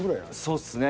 そうっすね。